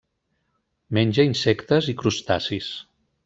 Menja insectes i crustacis.